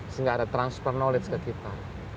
sehingga ada transfer knowledge ke kita